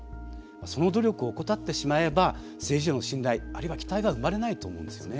その努力を怠ってしまえば政治への信頼あるいは期待は生まれないと思うんですよね。